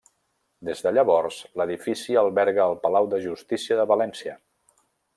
Des de llavors, l'edifici alberga el palau de Justícia de València.